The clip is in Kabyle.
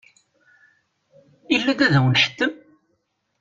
Ilad ad wen-nḥettem?